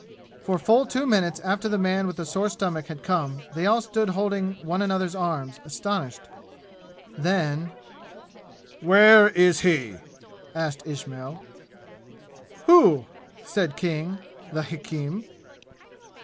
For full two minutes after the man with the sore stomach had come they all stood holding one another's arms, astonished. Then "Where is he?" asked Ismail. "Who?" said King, the hakim.